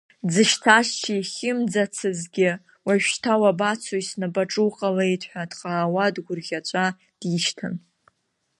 Дзышьҭаз дшихьымӡацызгьы, уажәшьҭа уабацои, снапаҿы уҟалеит, ҳәа дҟаауа, дгәырӷьаҵәа дишьҭан.